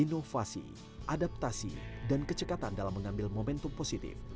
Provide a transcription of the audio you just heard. inovasi adaptasi dan kecekatan dalam mengambil momentum positif